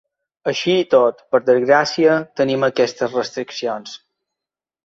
Així i tot, per desgràcia, tenim aquestes restriccions.